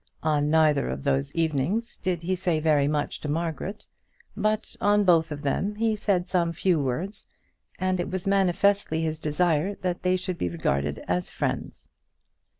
On neither of those evenings did he say very much to Margaret; but, on both of them he said some few words, and it was manifestly his desire that they should be regarded as friends.